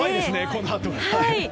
このあとが。